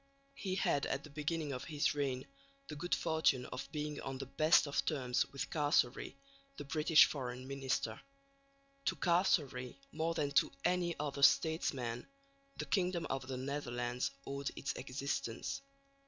He had at the beginning of his reign the good fortune of being on the best of terms with Castlereagh, the British Foreign Minister. To Castlereagh more than to any other statesman the kingdom of the Netherlands owed its existence.